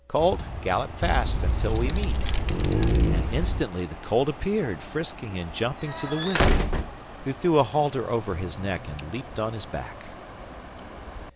Colt, gallop fast until we meet, and instantly the colt appeared, frisking and jumping to the wizard, who threw a halter over his neck and leapt on his back.